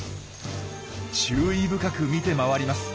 注意深く見て回ります。